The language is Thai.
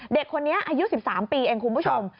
เด็กคนนี้อายุ๑๓ปีเองคุณผู้ชม